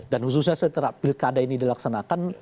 dan khususnya setelah pilkada ini dilaksanakan